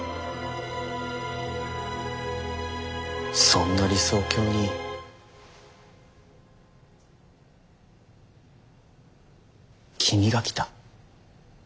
そんな理想郷に君が来た。